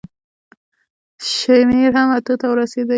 شمېر هم اتو ته ورسېدی.